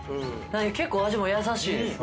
結構味も優しいです。